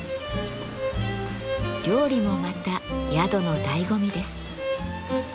料理もまた宿の醍醐味です。